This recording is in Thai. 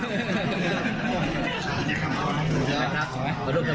สมบัติการพลังมีชาติรักษ์ได้หรือเปล่า